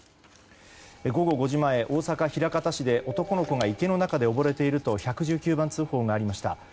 午後５時前、大阪府枚方市で男の子が池の中でおぼれていると１１９番通報がありました。